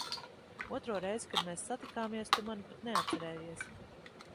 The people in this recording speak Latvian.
Otro reizi, kad mēs satikāmies, tu mani pat neatcerējies.